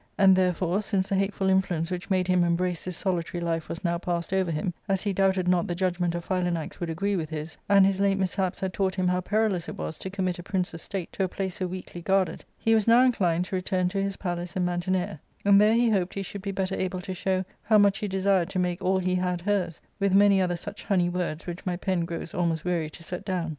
And, there fore, since the hateful influence which made him embrace this solitary life was now passed over him, as he doubted not the judgment of Philanax would agree with his, and his late mishaps had taught him how perilous it was to commit a prince's state to a place so weakly guarded, he was now in clined to return to his palace in Mantinea, and there he hoped \> he should be better able to show how much he desired to make all he had hers, with many other such honey words which my pen grows almost weary to set down.